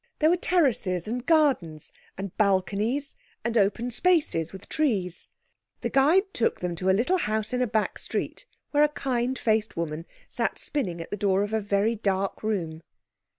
There were terraces, and gardens, and balconies, and open spaces with trees. Their guide took them to a little house in a back street, where a kind faced woman sat spinning at the door of a very dark room.